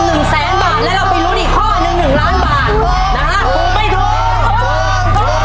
หนึ่งแสนบาทและเราไปลุดอีกข้อนึงหนึ่งล้านบาท